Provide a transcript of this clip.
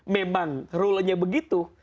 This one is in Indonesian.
memang rulenya begitu